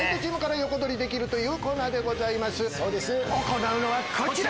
行うのはこちら！